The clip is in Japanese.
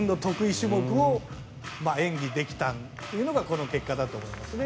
種目を演技できたというのがこの結果だと思いますね。